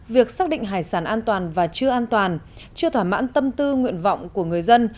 việc xác định hải sản an toàn và chưa an toàn chưa thỏa mãn tâm tư nguyện vọng của người dân